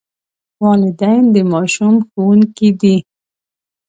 والدین د ماشوم ښوونکي دي.